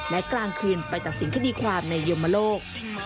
และกลางคืนไปตัดสินคดีความในยมโลก